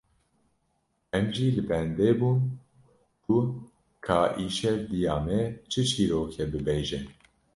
Em jî li bendê bûn ku ka îşev diya me çi çîrokê bibêje